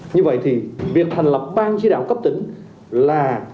như vậy thì việc thành lập ban chỉ đạo cấp tỉnh là